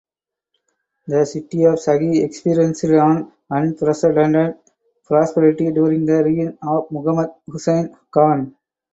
The city of Shaki experienced an unprecedented prosperity during reign of Muhammad Husayn khan.